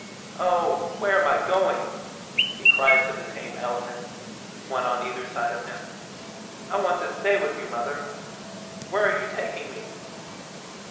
"Oh, where am I going?" he cried to the tame elephants, one on either side of him. "I want to stay with you, Mother! Where are you taking me?"